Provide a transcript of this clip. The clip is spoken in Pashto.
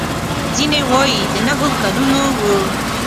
ځینې وايي د نهو کلونو و.